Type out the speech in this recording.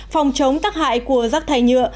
phòng chống tắc hại của rắc thải nhựa